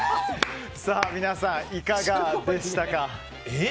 皆さん、いかがでしたか？